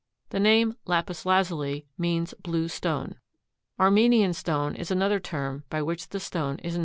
The name lapis lazuli means blue stone. Armenian stone is another term by which the stone is known in trade.